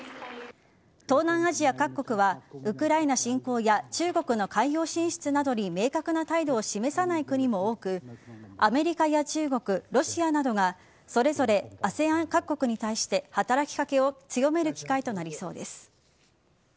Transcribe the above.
東南アジア各国はウクライナ侵攻や中国の海洋進出などに明確な態度を示さない国も多くアメリカや中国、ロシアなどがそれぞれＡＳＥＡＮ各国に対して働きかけを強める機会となりそうです。